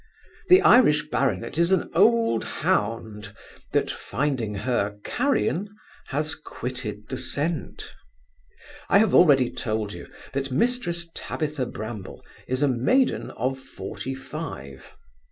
The Irish baronet is an old hound, that, finding her carrion, has quitted the scent I have already told you, that Mrs Tabitha Bramble is a maiden of forty five.